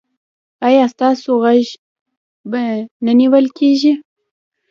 ایا ستاسو غږ به نه نیول کیږي؟